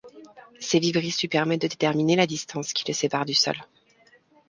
Ses vibrisses lui permettent de déterminer la distance qui le sépare du sol.